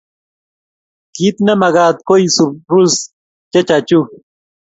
Kit nemakat koisub rules che chachuk